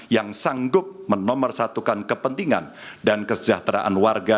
yang sanggup menomorsatukan kepentingan dan kesejahteraan warga